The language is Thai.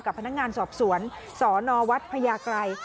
กับพนักงานสอบสวนสนวัฒน์พญาไกร